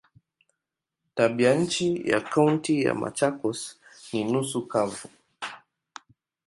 Tabianchi ya Kaunti ya Machakos ni nusu kavu.